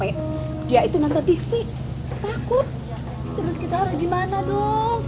terus kita harus gimana dong